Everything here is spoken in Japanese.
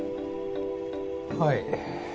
はい。